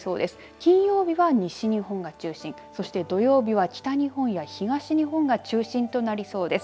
金曜日は西日本が中心そして土曜日は北日本や東日本が中心となりそうです。